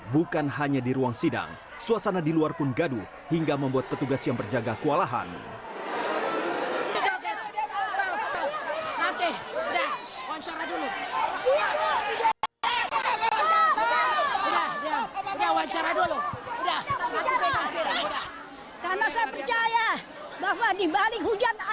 bukan hanya di ruang sidang suasana di luar pun gaduh hingga membuat petugas yang berjaga kualahan